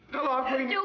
kalau aku ingin